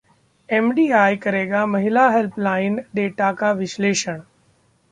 MDI करेगा महिला helpline data का विश्लेषण